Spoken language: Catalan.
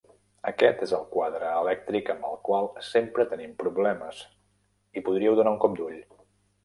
Aquest és el quadre elèctric amb el qual sempre tenim problemes, hi podríeu donar un cop d'ull.